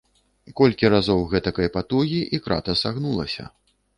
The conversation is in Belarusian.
Колькі разоў гэтакай патугі, і крата сагнулася.